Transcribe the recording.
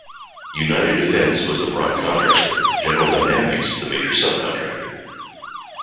United Defense was the prime contractor; General Dynamics the major subcontractor.